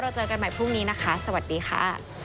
เจอกันใหม่พรุ่งนี้นะคะสวัสดีค่ะ